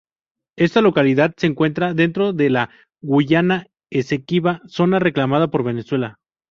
Esta localidad se encuentra dentro de la Guayana Esequiba, zona reclamada por Venezuela.